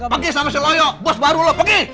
pergi sama si loyo bos baru lo pergi